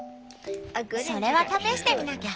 それは試してみなきゃ。